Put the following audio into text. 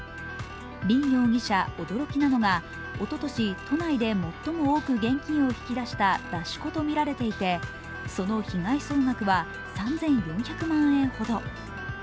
林容疑者、驚きなのがおととし都内で最も多く現金を引き出した出し子とみられていてその被害総額は３４００万円ほど。